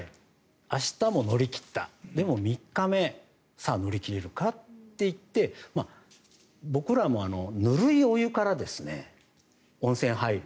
明日も乗り切ったでも、３日目さあ、乗り切れるかといって僕らもぬるいお湯から温泉に入る。